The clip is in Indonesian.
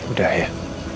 rambut siap siap tim